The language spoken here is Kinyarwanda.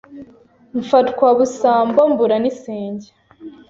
Mfatwa busambo mbura n' isenge